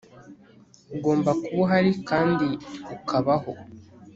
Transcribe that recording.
Ugomba kuba uhari kandi ukabaho